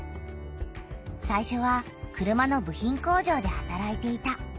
最初は車の部品工場ではたらいていた。